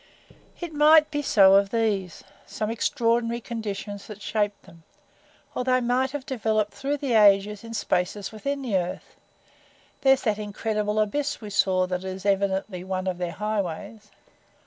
"It might be so of these some extraordinary conditions that shaped them. Or they might have developed through the ages in spaces within the earth there's that incredible abyss we saw that is evidently one of their highways.